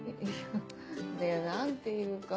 いや何ていうか。